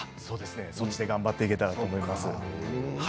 そっちで頑張っていけたらと思います。